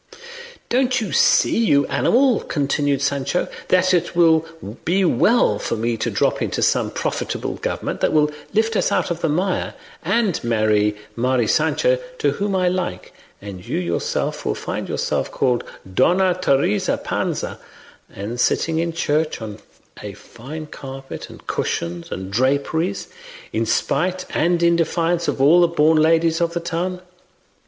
"Don't you see, you animal," continued Sancho, "that it will be well for me to drop into some profitable government that will lift us out of the mire, and marry Mari Sancha to whom I like; and you yourself will find yourself called 'Dona Teresa Panza,' and sitting in church on a fine carpet and cushions and draperies, in spite and in defiance of all the born ladies of the town?